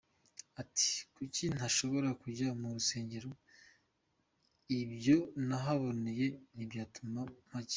Ati " Kuki ntashobora kujya mu rusengero ? Ibyo nahaboneye ntibyatuma mpajya.